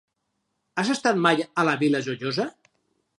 Has estat mai a la Vila Joiosa?